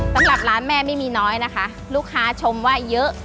สำหรับร้านแม่ไม่มีน้อยนะคะลูกค้าชมว่าเยอะ